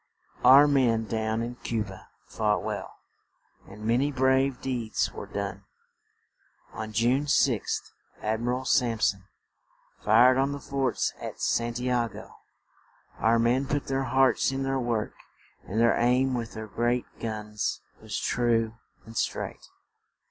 Our men down in Cu ba fought well, and ma ny brave deeds were done. On June 6th Ad mi ral Samp son fired on the forts at San ti a go; our men put their hearts in their work and their aim with the great guns was true and straight.